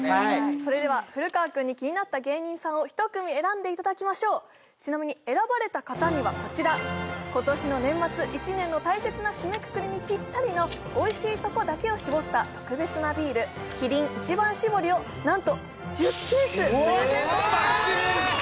それでは古川君に気になった芸人さんを１組選んでいただきましょうちなみに選ばれた方にはこちら今年の年末１年の大切な締めくくりにピッタリのおいしいとこだけを搾った特別なビールキリン一番搾りをなんと１０ケースプレゼントします！